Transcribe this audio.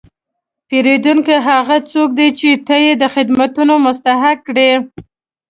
پیرودونکی هغه څوک دی چې ته یې د خدمتو مستحق کړې.